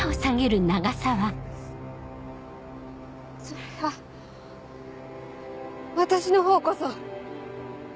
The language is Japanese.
それは私のほうこそ。